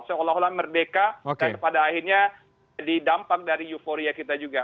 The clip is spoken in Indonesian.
seolah olah merdeka dan pada akhirnya jadi dampak dari euforia kita juga